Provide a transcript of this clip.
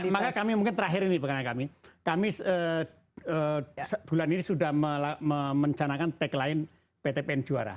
maka kami mungkin terakhir ini kami bulan ini sudah mencanakan tagline pt pn juara